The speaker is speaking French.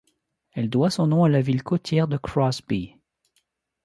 Elle doit son nom à la ville côtière de Crosby.